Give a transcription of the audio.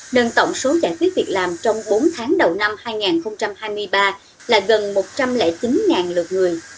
nâng tổng số giải quyết việc làm trong bốn tháng đầu năm hai nghìn hai mươi ba là gần một trăm linh chín lượt người